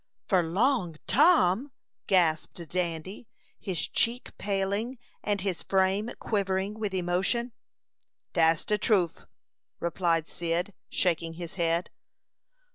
"For Long Tom!" gasped Dandy, his cheek paling and his frame quivering with emotion. "Dat's de truf," replied Cyd, shaking his head.